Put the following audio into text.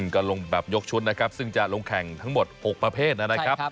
ก็ลงแบบยกชุดนะครับซึ่งจะลงแข่งทั้งหมด๖ประเภทนะครับ